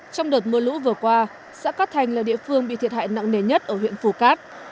trong đợt mưa lũ vừa qua xã cát thành là địa phương bị thiệt hại nặng nề nhất ở huyện phù cát